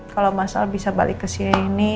kalau masalah bisa balik ke sini